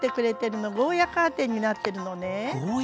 ゴーヤーカーテンになってるのね。